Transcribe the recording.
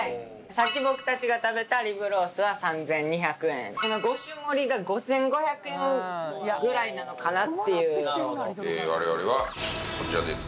さっき僕たちが食べたリブロースは３２００円その５種盛りが５５００円ぐらいなのかなっていう我々はこちらです